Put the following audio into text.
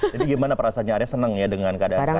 jadi gimana perasaannya arya seneng ya dengan keadaan sekarang ya